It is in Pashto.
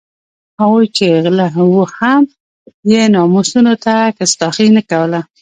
هغوی چې غله وو هم یې ناموسونو ته کستاخي نه کوله.